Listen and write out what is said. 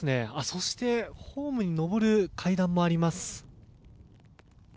そして、ホームに上る階段もあります。